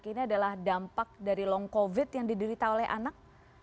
ini adalah dampak dari long covid yang diderita oleh anak